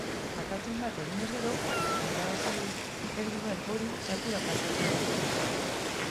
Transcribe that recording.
Akatsen bat eginez gero, irabazi ez duen hori zakura pasatzen da.